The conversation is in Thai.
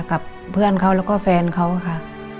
กับเพื่อนเขาแล้วก็แฟนเขาค่ะ